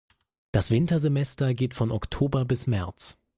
Das Wintersemester geht von Oktober bis März.